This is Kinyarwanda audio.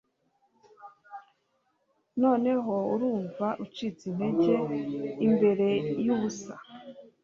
noneho urumva ucitse intege imbere yubusa